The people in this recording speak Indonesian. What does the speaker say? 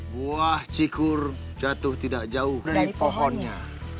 buah cikur jatuh tidak jauh dari pohonnya